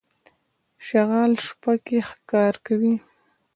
شغال شپه کې ښکار کوي.